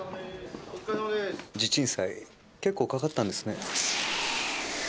地鎮祭結構かかったんですね。